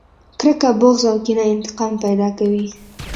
کرکه، بغض او کينه انتقام پیدا کوي.